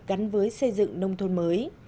gắn với xây dựng nông thôn mới